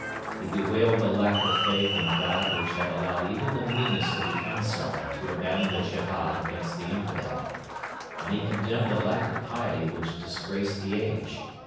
He bewailed the lack of faith in God which had allowed even the meanest of the Ansar to abandon the Jehad against the infidel, and he condemned the lack of piety which disgraced the age.